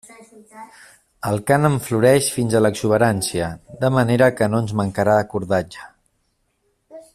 El cànem floreix fins a l'exuberància, de manera que no ens mancarà cordatge.